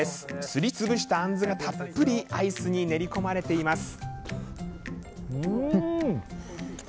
すりつぶしたあんずが、たっぷりアイスに練り込まれています。